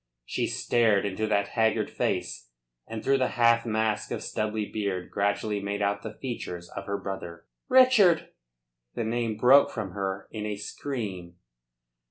She stared into that haggard face, and through the half mask of stubbly beard gradually made out the features of her brother. "Richard!" The name broke from her in a scream.